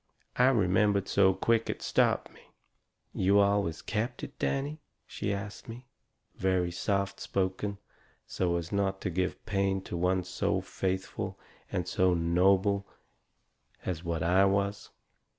I remembered so quick it stopped me. "You always kept it, Danny?" she asts me, very soft spoken, so as not to give pain to one so faithful and so noble as what I was.